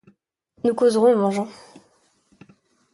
Nous causerons en mangeant.